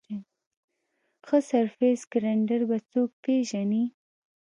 ښه سرفېس ګرېنډر به څوک پېژني ؟